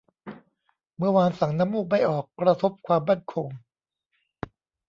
เมื่อวานสั่งน้ำมูกไม่ออก กระทบความมั่นคง